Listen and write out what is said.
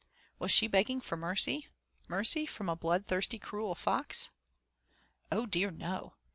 Was she begging for mercy mercy from a bloodthirsty, cruel fox? Oh, dear no!